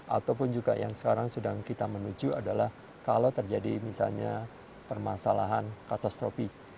ataupun juga yang sekarang sedang kita menuju adalah kalau terjadi misalnya permasalahan katastropi